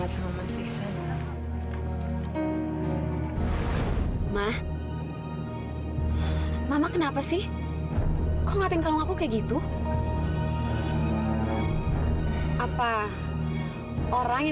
sampai jumpa di video selanjutnya